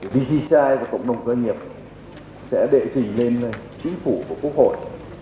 vcci và cộng đồng doanh nghiệp sẽ đệ trình lên chính phủ và quốc hội